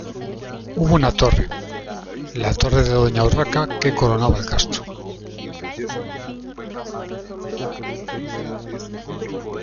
Hubo una torre, la torre de Doña Urraca que coronaba el castro.